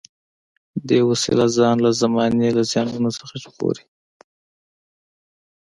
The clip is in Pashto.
دې وسیله ځان له زمانې له زیانونو څخه ژغوري.